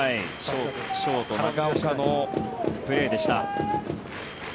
ショート、長岡のプレーでした。